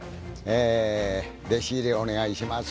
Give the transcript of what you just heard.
「弟子入りお願いします」